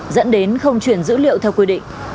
dẫn đến không chuyển dữ liệu theo quy định